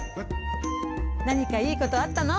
なにかいいことあったの？